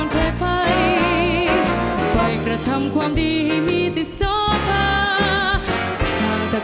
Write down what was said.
ต่างรักษาไว้แดนกำเนื้อ